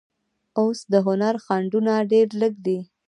اوس د هنر خنډونه ډېر لږ دي.